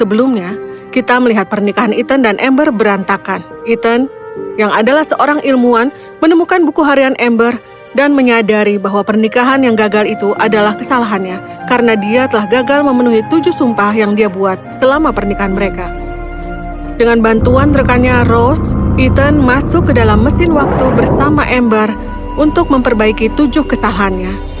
ethan masuk ke dalam mesin waktu bersama amber untuk memperbaiki tujuh kesalahannya